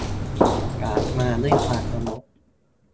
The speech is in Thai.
กราบมาด้วยความเคารพ